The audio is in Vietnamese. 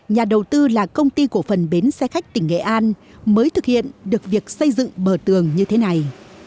nhà đầu tư là công ty cổ phần bến xe khách tỉnh nghệ an mới thực hiện được việc xây dựng bờ tường như thế này